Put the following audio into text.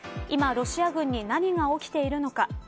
今、ロシア軍に何が起きているのか。